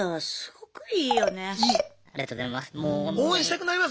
ありがとうございます。